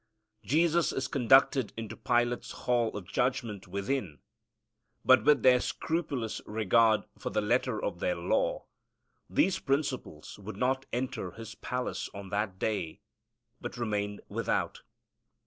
Jesus is conducted into Pilate's hall of judgment within, but, with their scrupulous regard for the letter of their law, these principals would not enter his palace on that day, but remained without.